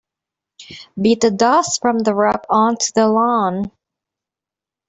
Beat the dust from the rug onto the lawn.